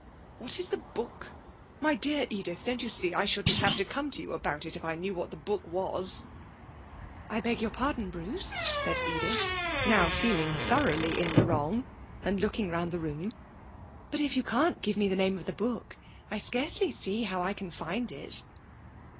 'What is the book? My dear Edith, don't you see I shouldn't have come to you about it if I knew what the book was.' 'I beg your pardon, Bruce,' said Edith, now feeling thoroughly in the wrong, and looking round the room. 'But if you can't give me the name of the book I scarcely see how I can find it.'